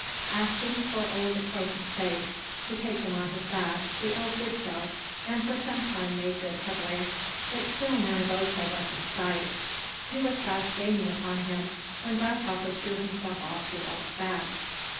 Asked for old acquaintance' sake, to take him on his back, the elk did so, and for some time made good headway, but still Manabozho was in sight. He was fast gaining upon him, when Grasshopper threw himself off the elk's back.